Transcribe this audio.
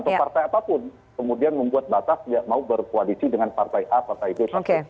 atau partai apapun kemudian membuat batas mau berkoalisi dengan partai a partai b satu